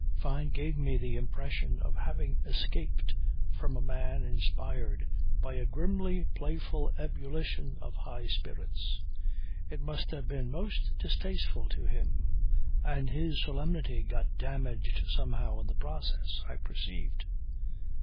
Fyne gave me the impression of having escaped from a man inspired by a grimly playful ebullition of high spirits. It must have been most distasteful to him; and his solemnity got damaged somehow in the process, I perceived.